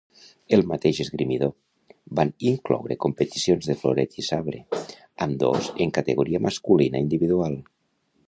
Ell mateix esgrimidor, van incloure competicions de floret i sabre, ambdós en categoria masculina individual.